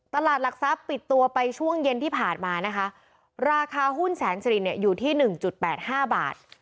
ตลาดหลักทรัพย์ปิดตัวไปช่วงเย็นที่ผ่านมานะคะราคาหุ้นแสนสิริเนี่ยอยู่ที่๑๘๕บาท